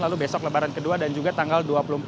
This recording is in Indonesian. lalu besok lebaran kedua dan juga tanggal dua puluh empat